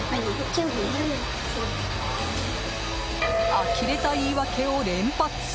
あきれた言い訳を連発。